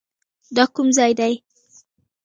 دا کوم ځاى دى.